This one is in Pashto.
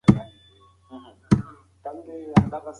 هرات د مقاومت سمبول شو.